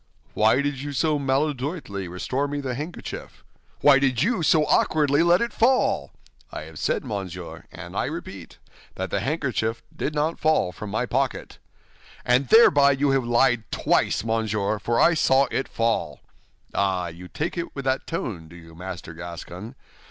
"Why did you so maladroitly restore me the handkerchief?" "Why did you so awkwardly let it fall?" "I have said, monsieur, and I repeat, that the handkerchief did not fall from my pocket." "And thereby you have lied twice, monsieur, for I saw it fall." "Ah, you take it with that tone, do you, Master Gascon?